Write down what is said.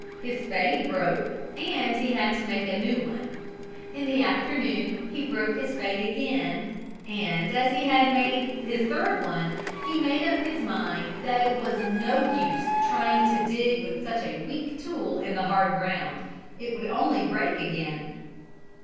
His spade broke and he had to make a new one. In the afternoon he broke his spade again. And as he made his third one, he made up his mind that it was no use trying to dig with such a weak tool in the hard ground. It would only break again.